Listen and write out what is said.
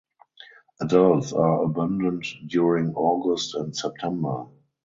Adults are abundant during August and September.